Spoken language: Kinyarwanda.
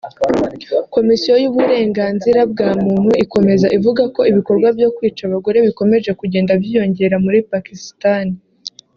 Komisiyo y’uburenganzira bwa muntu ikomeza ivuga ko ibikorwa byo kwica abagore bikomeje kugenda byiyongera muri Pakisitani